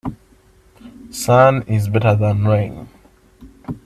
Sun is better than rain.